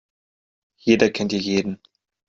Jeder kennt hier jeden.